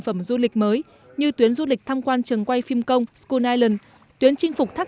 phẩm du lịch mới như tuyến du lịch tham quan trường quay phim công skull island tuyến chinh phục thác